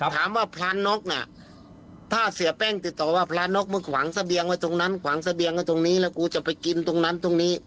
พระนกน่ะถ้าเสียแป้งติดต่อว่าพระนกมึงขวางเสบียงไว้ตรงนั้นขวางเสบียงไว้ตรงนี้แล้วกูจะไปกินตรงนั้นตรงนี้